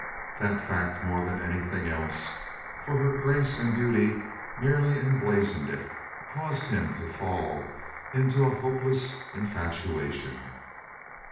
That fact more than anything else—for her grace and beauty merely emblazoned it—caused him to fall into a hopeless infatuation.